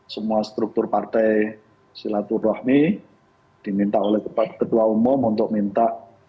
semua struktur partai silaturahmi diminta oleh ketua umum untuk minta